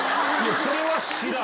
それは知らん。